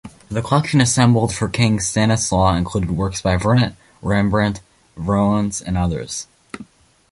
The collection assembled for King Stanislaw included works by Vernet, Rembrandt, Veronese and others.